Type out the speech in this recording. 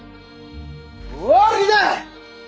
終わりだ！